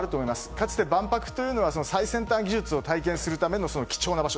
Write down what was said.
かつて万博というのは最先端技術を体験するための貴重な場所。